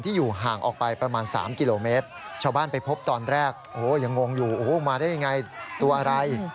ที่อยู่ห่างออกไปประมาณ๓กิโลเมตร